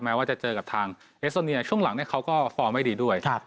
ว่าจะเจอกับทางเอสโตเนียช่วงหลังเขาก็ฟอร์มไม่ดีด้วย